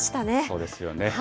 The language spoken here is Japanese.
そうですよね。